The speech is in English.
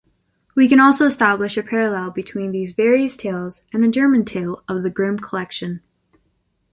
We can also establish a parallel between these various tales and a German tale of the Grim collection.